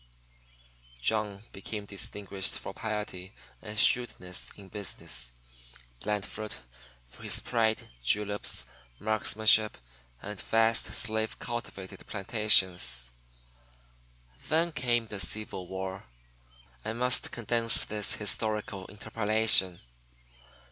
V. John became distinguished for piety and shrewdness in business; Blandford for his pride, juleps; marksmanship, and vast slave cultivated plantations. Then came the Civil War. (I must condense this historical interpolation.)